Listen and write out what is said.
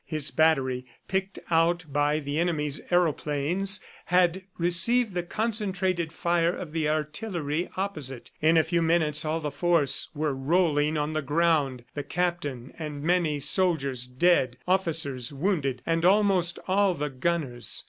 His battery, picked out by the enemy's aeroplanes, had received the concentrated fire of the artillery opposite. In a few minutes all the force were rolling on the ground the captain and many soldiers dead, officers wounded and almost all the gunners.